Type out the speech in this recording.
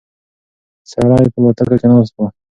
سړی په الوتکه کې ناست و.